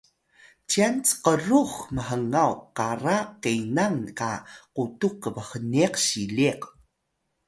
cyan cqrux mhngaw qara qenam qa qutux qbhniq siliq